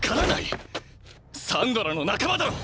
サンドラの仲間だろ！